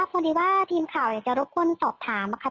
พี่ค่ะพอดีว่าทีมข่าวอยากจะรบควรสอบถามค่ะ